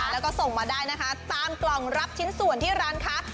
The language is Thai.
แล้วก็ส่งมาได้นะคะตามกล่องรับชิ้นส่วนที่ร้านค้า